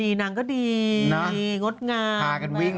ก่อนหน้านี้ที่ตีปริงปองอ่ะไปแข่งซีเกมอ่ะ